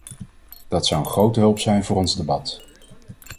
Dat zou een grote hulp zijn voor ons debat.